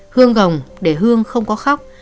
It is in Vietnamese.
hương gồng để hương không có khóc